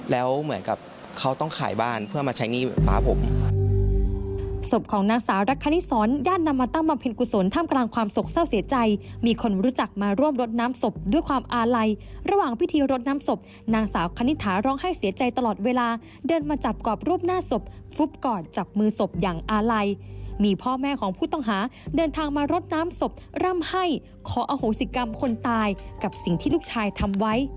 แล้วเหมือนกับเขาต้องขายบ้านเพื่อมาใช้หนี้กับป๊าผม